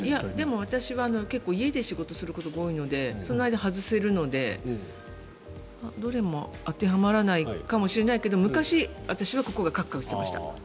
私は結構、家で仕事することが多いのでその間外せるので、どれも当てはまらないかもしれないけど昔、私はここがかくかくしてました。